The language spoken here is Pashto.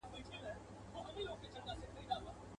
او دا څنګه عدالت دی، ګرانه دوسته نه پوهېږم.